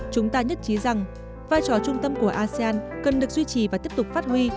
chúng ta nhất trí rằng vai trò trung tâm của asean cần được duy trì và tiếp tục phát huy